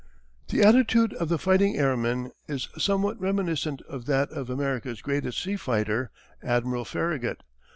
_] The attitude of the fighting airmen is somewhat reminiscent of that of America's greatest sea fighter, Admiral Farragut.